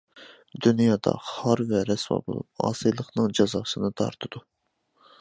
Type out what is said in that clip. دۇنيادا خار ۋە رەسۋا بولۇپ ئاسىيلىقنىڭ جازاسىنى تارتىدۇ.